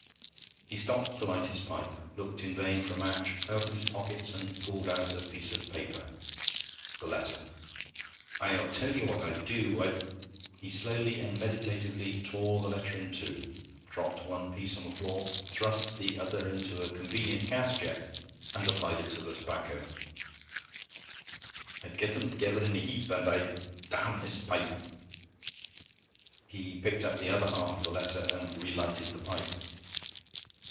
He stopped to light his pipe, looked in vain for a match, felt in his pockets, and pulled out a piece of paper the letter. 'I tell you what I'd do. I'd ' He slowly and meditatively tore the letter in two, dropped one piece on the floor, thrust the other into a convenient gas jet, and applied it to the tobacco. 'I'd get 'em 'gether in a heap, and I'd Damn this pipe!' He picked up the other half of the letter, and relighted the pipe.